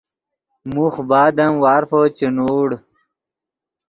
موخ بعد ام وارفو چے نوڑ